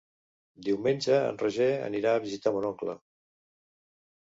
Diumenge en Roger anirà a visitar mon oncle.